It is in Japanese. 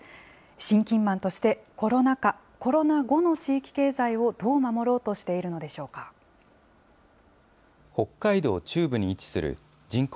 信金マンとして、コロナ禍、コロナ後の地域経済をどう守ろうとしているのでしょう北海道中部に位置する、人口